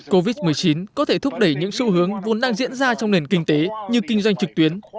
covid một mươi chín có thể thúc đẩy những xu hướng vốn đang diễn ra trong nền kinh tế như kinh doanh trực tuyến